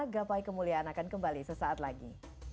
gapai kemuliaan akan kembali sesaat lagi